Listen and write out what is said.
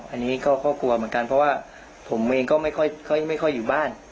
อันนี้ก็กลัวเหมือนกันเพราะว่าผมเองก็ไม่ค่อยอยู่บ้าน